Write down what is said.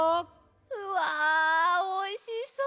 うわおいしそう！